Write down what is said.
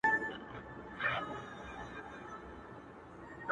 کلونه وسول دا وايي چي نه ځم اوس به راسي~